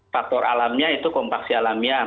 faktor alamnya itu kompaksi alamiah